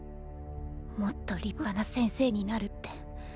もっと立派な先生になるって。